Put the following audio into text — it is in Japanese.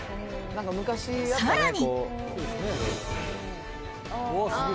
さらに。